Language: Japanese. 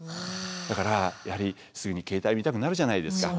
だからやはりすぐに携帯見たくなるじゃないですか。